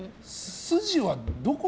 筋はどこに？